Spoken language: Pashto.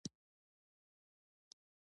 آیا پاکو اوبو ته لاسرسی شته؟